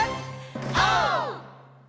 オー！